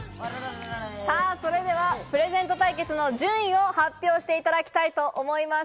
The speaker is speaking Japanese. プレゼント対決の順位を発表していただきたいと思います。